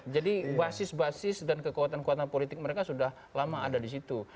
jadi basis basis dan kekuatan kuatan politik mereka sudah lama ada di situ